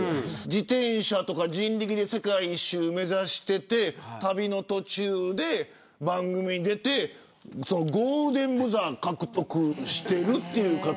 自転車とか人力で世界一周を目指していて、旅の途中で番組に出てゴールデンブザーを獲得しているという方。